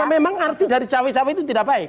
karena memang arti dari cawe cawe itu tidak baik